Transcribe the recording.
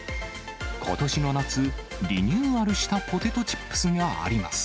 ことしの夏、リニューアルしたポテトチップスがあります。